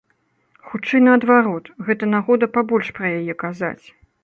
Хутчэй, наадварот, гэта нагода пабольш пра яе казаць.